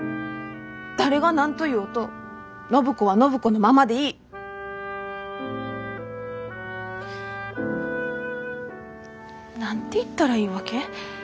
誰が何と言おうと暢子は暢子のままでいい。何て言ったらいいわけ？